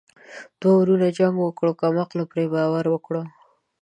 دوه ورونو جنګ وکړو کم عقلو پري باور وکړو.